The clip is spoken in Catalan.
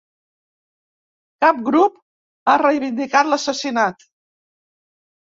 Cap grup a reivindicat l'assassinat.